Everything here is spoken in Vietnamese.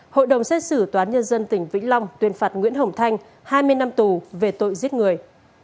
hội đồng xét xử toán nhân dân tỉnh vĩnh long tuyên phạt nguyễn hồng thanh hai mươi năm tù về tội giết người